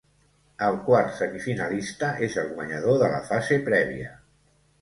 El quart semifinalista és el guanyador de la fase prèvia.